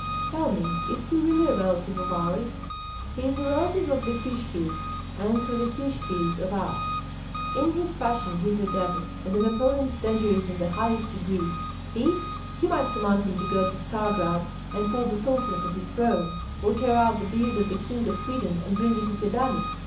"Tell me, is he really a relative of ours?" "He is a relative of the Kishkis, and through the Kishkis of us." "In his fashion he is a devil, and an opponent dangerous in the highest degree." "He? You might command him to go to Tsargrad and pull the Sultan from his throne, or tear out the beard of the King of Sweden and bring it to Kyedani.